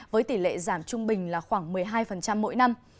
với tỷ lệ giảm trung bình là khoảng một mươi hai mỗi năm